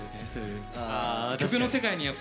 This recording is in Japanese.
曲の世界にやっぱ。